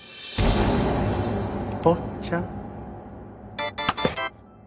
坊っちゃん。